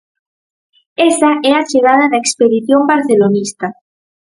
Esa é a chegada da expedición barcelonista.